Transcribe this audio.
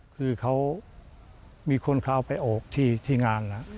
คือเขามีคนเขาเอาไปโอบที่งานแล้ว